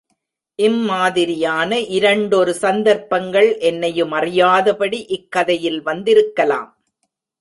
இம்மாதிரியான இரண்டொரு சந்தர்ப்பங்கள் என்னையுமறியாதபடி இக்கதையில் வந்திருக்கலாம்.